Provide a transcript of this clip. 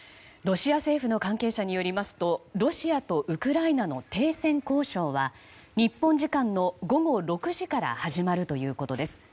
ロシア政府の関係者によりますとロシアとウクライナの停戦交渉は日本時間の午後６時から始まるということです。